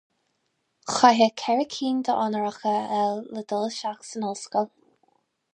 Chaithfeá ceithre cinn d'onóracha a fháil le dul isteach san ollscoil.